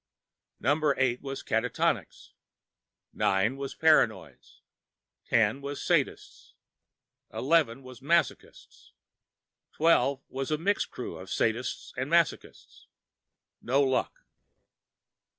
Number Eight was catatonics. Nine was paranoids. Ten was sadists. Eleven was masochists. Twelve was a mixed crew of sadists and masochists. No luck.